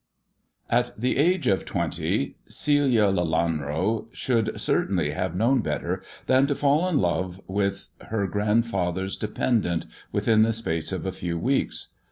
a AT the age of twenty, Celia Lelanro should certainly i have known better than to fall in love with her grandfather's dependent within the space of a few weeks.